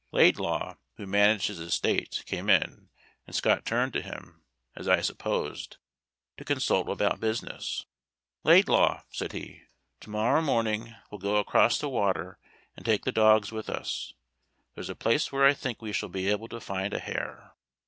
Laidlaw, who managed his estate, came in, and Scott turned to him, as I supposed, to consult about business. 'Laidlaw,' said he, 'to morrow morning we'll go across the water and take the dogs with us there's a place where I think we shall be able to find a hare.'